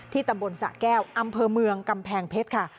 ตำบลสะแก้วอำเภอเมืองกำแพงเพชรค่ะ